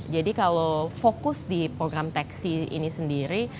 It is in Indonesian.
jadi kalau fokus di program taksi ini sendiri